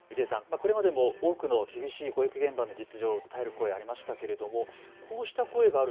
これまでも多くの厳しい保育現場の実情を訴える声がありましたけれどもこうした声がある。